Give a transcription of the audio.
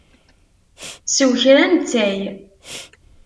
Sew kra n ttay.